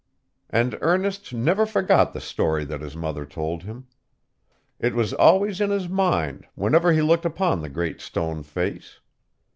And Ernest never forgot the story that his mother told him. It was always in his mind, whenever he looked upon the Great Stone Face.